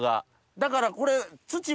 だからこれ。